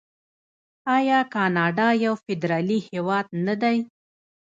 آیا کاناډا یو فدرالي هیواد نه دی؟